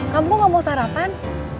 kamu kok gak mau sarapan